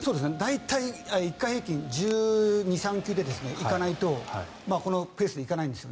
大体１回平均１２１３球でいかないとこのペースで行かないです。